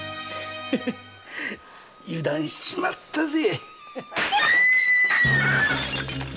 へへ油断しちまったぜ。